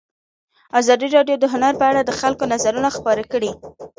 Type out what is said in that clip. ازادي راډیو د هنر په اړه د خلکو نظرونه خپاره کړي.